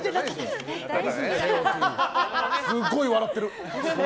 すごい笑ってる！